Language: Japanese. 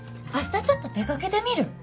明日ちょっと出かけてみる？